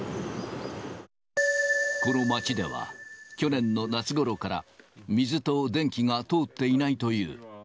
この街では、去年の夏ごろから水と電気が通っていないという。